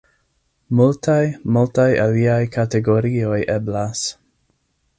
Multaj, multaj aliaj kategorioj eblas.